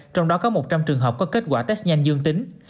trong đó có một trăm linh trường hợp có kết quả test nhanh dương tính